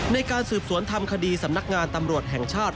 ในการสืบสวนทำคดีสำนักงานตำรวจแห่งชาติ